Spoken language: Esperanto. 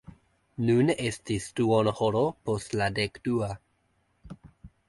Nun estis duonhoro post la dekdua.